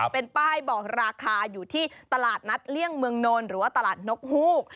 เป็นป้ายบอกราคาอยู่ที่ตลาดนัดเลี่ยงเมืองนนหรือว่าตลาดนกฮูก